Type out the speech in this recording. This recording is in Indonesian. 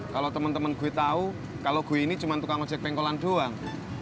paralel temen temen gue tahu kalau gue ini cuman untuk uj trangkulan doang